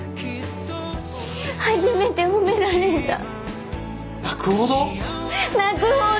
初めて褒められた。